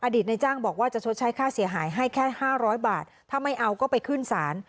ในจ้างบอกว่าจะชดใช้ค่าเสียหายให้แค่๕๐๐บาทถ้าไม่เอาก็ไปขึ้นศาล